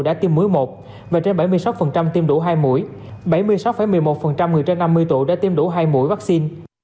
đã tiêm muối một và trên bảy mươi sáu tiêm đủ hai mũi bảy mươi sáu một mươi một người trên năm mươi tuổi đã tiêm đủ hai mũi vaccine